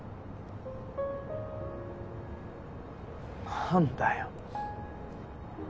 何だよ？